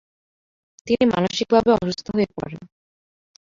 তিনি মানসিকভাবে অসুস্থ হয়ে পড়েন।